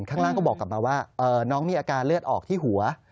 ข้างล่างก็บอกกลับมาว่าน้องมีอาการเลือดออกที่หัว